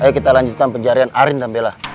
ayo kita lanjutkan pencarian arin dan bella